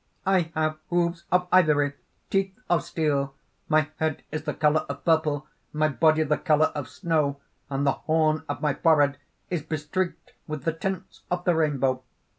"I have hoofs of ivory, teeth of steel; my head is the colour of purple, my body the colour of snow; and the horn of my forehead is bestreaked with the tints of the rainbow.